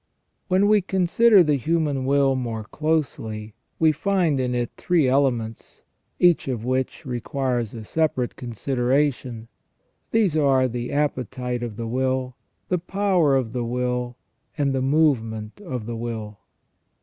When we consider the human will more closely, we find in it three elements, each of which requires a separate consideration ; these are the appetite of the will, the power of the will, and the movement of the will.